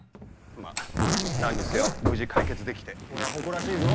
まぁ何にせよ無事解決できて俺は誇らしいぞ。